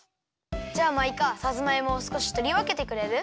じゃあマイカさつまいもをすこしとりわけてくれる？